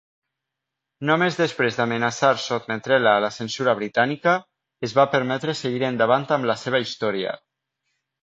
Només després d'amenaçar sotmetre-la a la censura britànica, es va permetre seguir endavant amb la seva història.